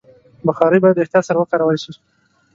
بخاري باید د احتیاط سره وکارول شي.